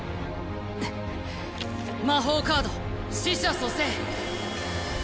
魔法カード死者蘇生。